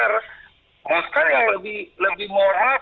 kloroquine pun sekarang itu sudah sudah susah di pasaran